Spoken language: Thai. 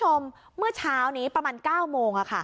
ต่อที่โรงพักษณ์คุณผู้ชมเมื่อเช้านี้ประมาณ๙โมง